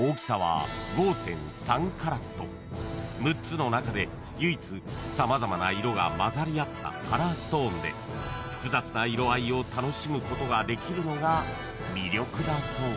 ［６つの中で唯一様々な色が混ざり合ったカラーストーンで複雑な色合いを楽しむことができるのが魅力だそう］